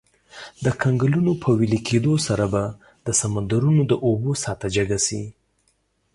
د کنګلونو په ویلي کیدو سره به د سمندرونو د اوبو سطحه جګه شي.